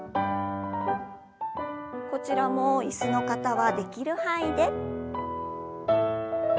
こちらも椅子の方はできる範囲で。